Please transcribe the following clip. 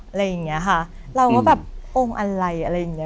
อะไรอย่างเงี้ยค่ะเราก็แบบองค์อะไรอะไรอย่างเงี้